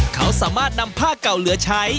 เขาสามารถนำผ้าเก่าเหลือใช้